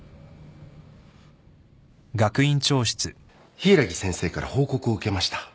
柊木先生から報告を受けました。